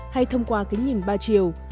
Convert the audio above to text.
hay thông qua kính nhìn ba chiều